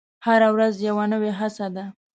هره ورځ یوه نوې هڅه ده.